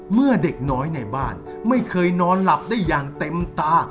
เมื่อเด็กน้อยในบ้านไม่เคยนอนหลับได้อย่างเต็มตา